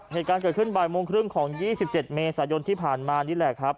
เหตุการณ์เกิดขึ้นบ่ายโมงครึ่งของ๒๗เมษายนที่ผ่านมานี่แหละครับ